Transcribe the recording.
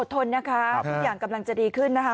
ทนนะคะทุกอย่างกำลังจะดีขึ้นนะคะ